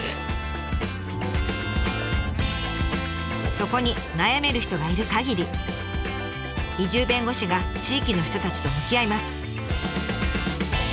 そこに悩める人がいるかぎり移住弁護士が地域の人たちと向き合います。